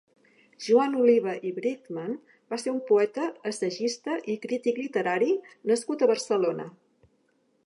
Joan Oliva i Bridgman va ser un poeta, assagista i crític literari nascut a Barcelona.